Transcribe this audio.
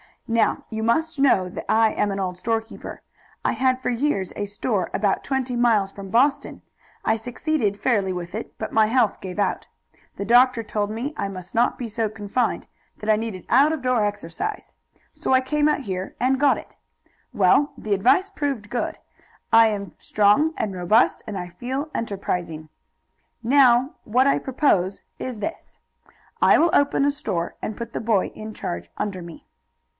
"Now, you must know that I am an old storekeeper. I had for years a store about twenty miles from Boston. I succeeded fairly with it, but my health gave out. The doctor told me I must not be so confined that I needed out of door exercise. So I came out here and got it. Well, the advice proved good. I am strong and robust, and I feel enterprising. Now, what I propose is this: 'I will open a store, and put the boy in charge under me.'"